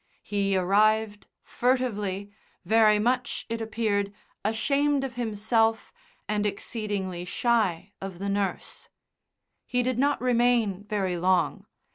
He arrived furtively, very much, it appeared, ashamed of himself and exceedingly shy of the nurse. He did not remain very long.